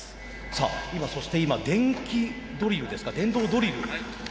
さあそして今電気ドリルですか電動ドリル。